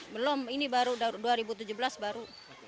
belum ini baru dua ribu tujuh belas baru